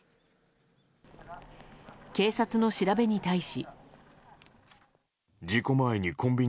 警察の調べに対し。